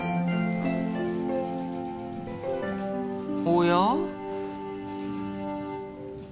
おや？